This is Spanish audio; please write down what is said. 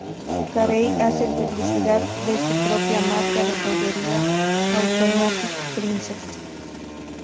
Carey hace publicidad de su propia marca de joyería, Automatic Princess.